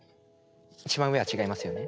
一番上は違いますよね？